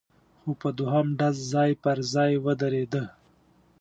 خو په دوهم ډز ځای پر ځای ودرېده،